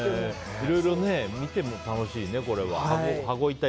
いろいろ見ても楽しいね、これ。